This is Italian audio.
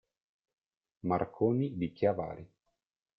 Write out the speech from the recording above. Marconi” di Chiavari.